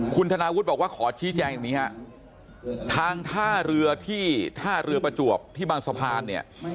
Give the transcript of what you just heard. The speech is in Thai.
คุณธนาวุฒิบอกว่าขอชี้แจงอย่างนี้ฮะทางท่าเรือที่ท่าเรือประจวบที่บางสะพานเนี่ย